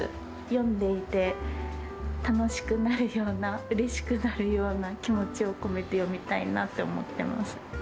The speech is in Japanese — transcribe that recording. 読んでいて楽しくなるような、うれしくなるような気持ちを込めて読みたいなって思ってます。